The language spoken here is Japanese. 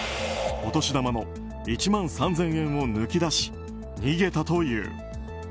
お年玉の１万３０００円を抜き出し、逃げたという。